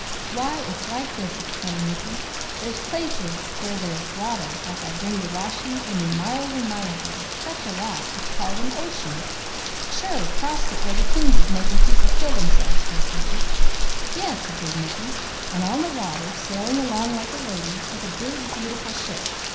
"Why it's like this," explained Mickey. "There's places where there's water, like I bring to wash you, only miles and miles of it, such a lot, it's called an ocean " "Sure! 'Crost it where the kings is makin' people kill theirselves," cried Peaches. "Yes," agreed Mickey. "And on the water, sailing along like a lady, is a big, beautiful ship.